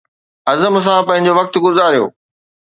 عزم سان پنهنجو وقت گذاريو.